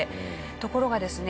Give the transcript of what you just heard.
ところがですね